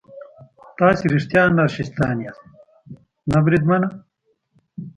تاسې رښتیا انارشیستان یاست؟ نه بریدمنه.